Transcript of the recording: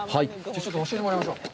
ちょっと教えてもらいましょう。